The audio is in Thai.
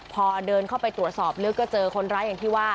พอเดินเข้าไปตรวจสอบลึกก็เจอคนร้ายอย่างที่ว่า